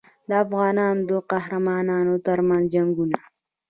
د افغانانو د قهرمانانو ترمنځ جنګونه.